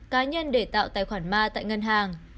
cá nhân để tạo tài khoản ma tại ngân hàng